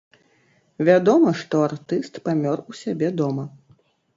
Вядома, што артыст памёр у сябе дома.